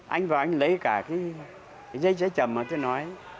anh vào anh lấy cả cái dây cháy chầm mà tôi nói